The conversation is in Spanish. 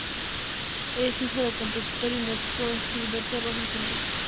Es hijo del compositor y músico Gilberto Rojas Enríquez.